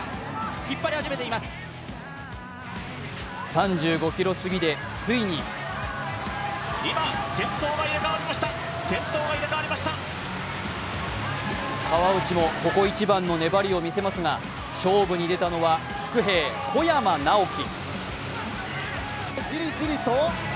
３５ｋｍ過ぎでついに川内も、ここ一番の粘りを見せますが勝負に出たのは、伏兵・小山直城。